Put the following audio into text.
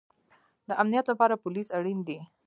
د امنیت لپاره پولیس اړین دی